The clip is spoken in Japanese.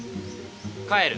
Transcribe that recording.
帰る。